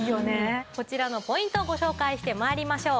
こちらのポイントをご紹介して参りましょう。